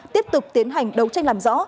tiếp tục tiến hành đấu tranh làm rõ